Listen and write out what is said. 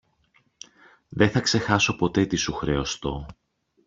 Δε θα ξεχάσω ποτέ τι σου χρεωστώ.